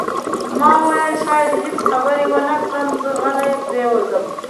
ما وویل: شاید هیڅ خبرې ونه کړم، زه غلی پرېوځم.